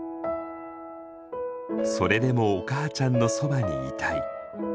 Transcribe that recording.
「それでもおかあちゃんのそばにいたい」。